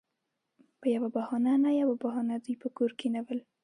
پـه يـوه بهـانـه نـه يـوه بهـانـه دوي پـه کـور کېـنول.